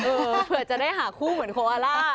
เผื่อจะได้หาคู่เหมือนโคอาล่า